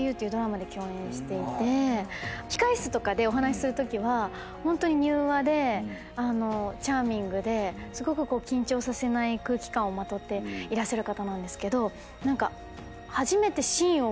控室とかでお話しするときはホントに柔和でチャーミングですごく緊張させない空気感をまとっていらっしゃる方なんですけど何か。